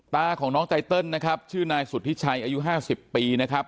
ตาของน้องไตเติลนะครับชื่อนายสุธิชัยอายุ๕๐ปีนะครับ